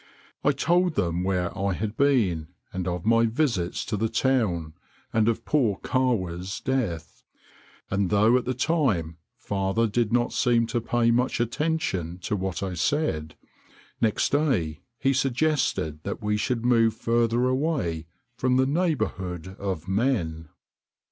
I told them where I had been, and of my visits to the town, and of poor Kahwa's death; and though at the time father did not seem to pay much attention to what I said, next day he suggested that we should move further away from the neighbourhood of men.